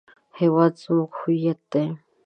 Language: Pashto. هېواد زموږ هویت دی